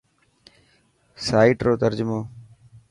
سائيٽ رو ترجمو.